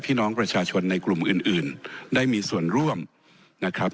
พี่น้องประชาชนในกลุ่มอื่นได้มีส่วนร่วมนะครับ